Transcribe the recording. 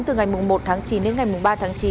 từ ngày một tháng chín đến ngày ba tháng chín